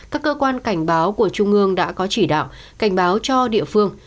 các cơ quan cảnh báo của trung ương đã có chỉ đạo cảnh báo cho địa phương